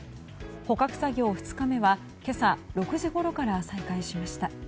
捕獲作業２日目は今朝６時ごろから再開しました。